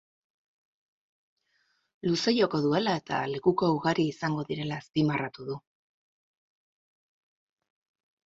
Luze joko duela eta lekuko ugari izango direla azpimarratu du.